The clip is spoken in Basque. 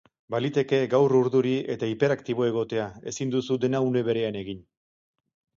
Baliteke gaur urduri eta hiperkatibo egotea, ezin duzu dena une berean egin.